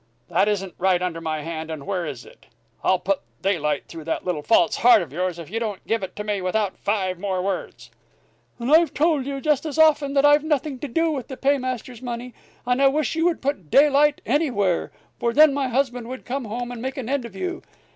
That isn't right under my hand and where is it? I'll put daylight through that little false heart of yours if you don't give it to me without five more words " "And I've told you just as often that I've nothing to do with the paymaster's money, and I wish you would put daylight anywhere, for then my husband would come home and make an end of you!"